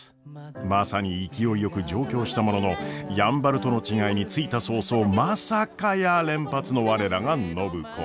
まさに勢いよく上京したもののやんばるとの違いに着いた早々まさかやー連発の我らが暢子。